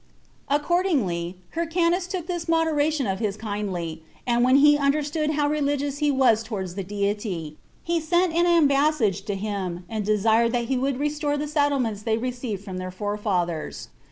3. Accordingly, Hyrcanus took this moderation of his kindly; and when he understood how religious he was towards the Deity, he sent an embassage to him, and desired that he would restore the settlements they received from their forefathers.